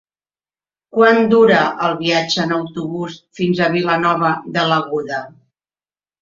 Quant dura el viatge en autobús fins a Vilanova de l'Aguda?